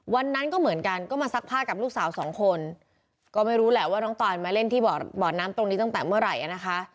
วันนั้นก็เหมือนกันก็มาซักผ้ากับลูกสาวสองคนก็ไม่รู้แหละว่าน้องตายมาเล่นที่บ่อน้ำตรงนี้ตั้งแต่เมื่อไหร่นะคะ